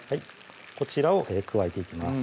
こちらを加えていきます